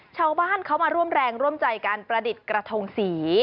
ชาวบ้านเขามาร่วมแรงร่วมใจการประดิษฐ์กระทงสี